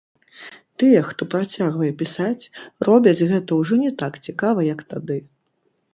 Тыя, хто працягвае пісаць, робяць гэта ўжо не так цікава, як тады.